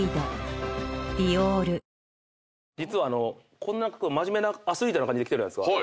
こんな真面目なアスリートな感じで来てるじゃないですか。